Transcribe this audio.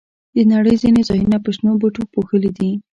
د نړۍ ځینې ځایونه په شنو بوټو پوښلي دي.